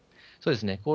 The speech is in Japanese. そうですね。